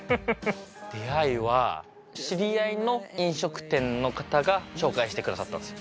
出会いは知り合いの飲食店の方が紹介してくださったんですよ。